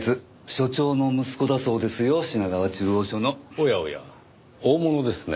おやおや大物ですね。